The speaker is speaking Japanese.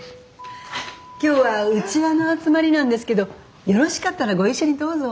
今日は内輪の集まりなんですけどよろしかったらご一緒にどうぞ。